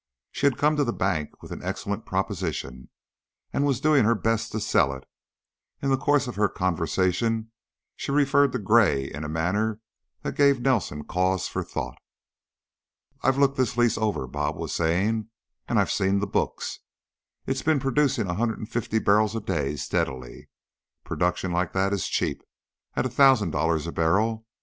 She had come to the bank with an excellent proposition and was doing her best to sell it; in the course of her conversation she referred to Gray in a manner that gave Nelson cause for thought. "I've looked this lease over," "Bob" was saying, "and I've seen the books. It has been producing a hundred and fifty barrels a day steadily. Production like that is cheap at a thousand dollars a barrel.